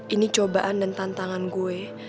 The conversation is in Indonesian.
ini cobaan dan tantangan gue